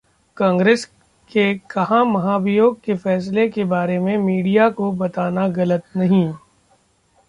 कांग्रेस के कहा- महाभियोग के फैसले के बारे में मीडिया को बताना गलत नहीं